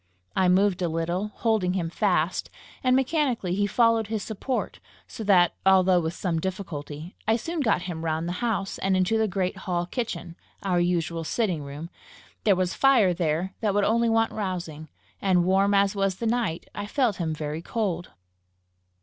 I moved a little, holding him fast, and mechanically he followed his support; so that, although with some difficulty, I soon got him round the house, and into the great hall kitchen, our usual sitting room; there was fire there that would only want rousing, and, warm as was the night, I felt him very cold.